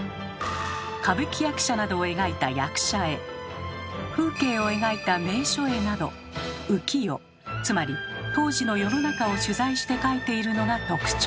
歌舞伎役者などを描いた「役者絵」風景を描いた「名所絵」など浮世つまり「当時の世の中」を取材して描いているのが特徴。